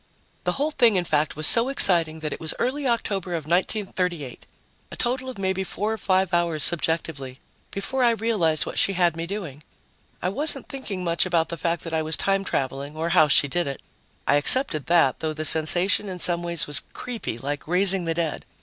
The whole thing, in fact, was so exciting that it was early October of 1938 a total of maybe four or five hours subjectively before I realized what she had me doing. I wasn't thinking much about the fact that I was time traveling or how she did it; I accepted that, though the sensation in some ways was creepy, like raising the dead.